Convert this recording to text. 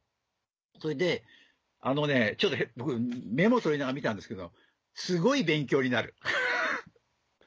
それで僕メモ取りながら見たんですけどすごい勉強になる。